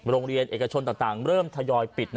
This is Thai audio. โรงเรียนเอกชนต่างเริ่มทยอยปิดนะครับคุณผู้ชม